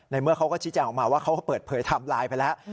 เมื่อเขาก็ชี้แจงออกมาว่าเขาก็เปิดเผยไทม์ไลน์ไปแล้ว